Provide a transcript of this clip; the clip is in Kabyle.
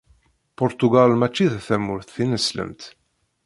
Puṛtugal mačči d tamurt tineslemt.